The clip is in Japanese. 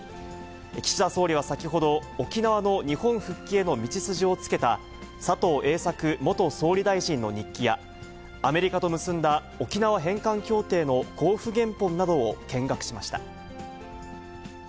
岸田総理は先ほど、沖縄の日本復帰への道筋をつけた、佐藤栄作元総理大臣の日記や、アメリカと結んだ沖縄返還協定の公布原本などを見学しました。